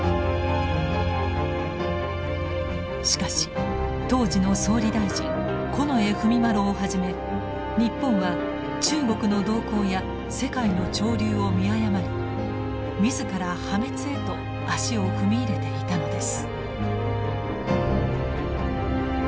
しかし当時の総理大臣近衛文麿をはじめ日本は中国の動向や世界の潮流を見誤り自ら破滅へと足を踏み入れていたのです。